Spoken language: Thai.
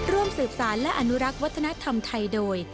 ร่วมสืบสารและอนุรักษ์วัฒนธรรมไทยโดย